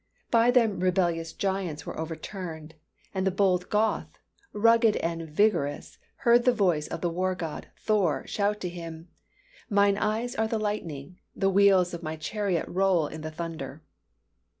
By them rebellious giants were overturned. And the bold Goth, rugged and vigorous, heard the voice of the war god, Thor, shout to him: "Mine eyes are the lightning, The wheels of my chariot Roll in the thunder!"